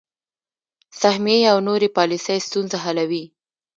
سهمیې او نورې پالیسۍ ستونزه حلوي.